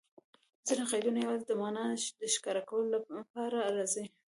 ځیني قیدونه یوازي د مانا د ښکاره کولو له پاره راځي.